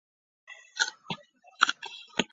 米尔维勒。